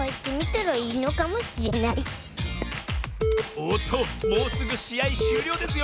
おっともうすぐしあいしゅうりょうですよ。